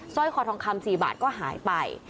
ร้อยคอทองคำ๔บาทก็หายไป